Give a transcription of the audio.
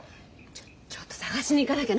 ちょっちょっと捜しに行かなきゃ。